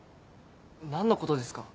何のことですか？